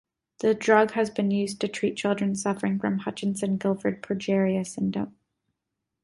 The drug has been used to treat children suffering from Hutchinson-Gilford progeria syndrome.